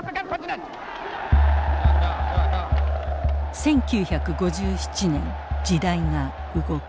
１９５７年時代が動く。